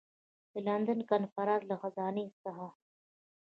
د لندن کنفرانس له خزانې څخه.